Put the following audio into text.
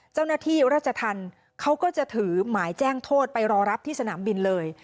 เจ้าหน้าที่ราชธรรมเขาก็จะถือหมายแจ้งโทษไปรอรับที่สนามบินเลย